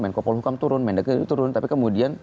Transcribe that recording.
menkopul hukum turun menekan turun tapi kemudian